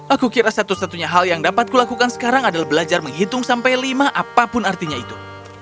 aku kira satu satunya hal yang dapat kulakukan sekarang adalah belajar menghitung sampai lima apapun artinya itu